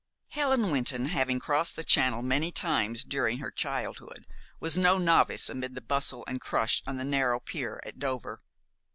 Helen Wynton, having crossed the Channel many times during her childhood, was no novice amid the bustle and crush on the narrow pier at Dover.